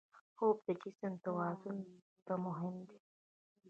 خوب د جسم توازن ته مهم دی